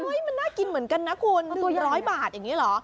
ที่ไหนก่อนมันน่ากินเหมือนกันนะคุณ๑๐๐บาทอย่างนี้หรอ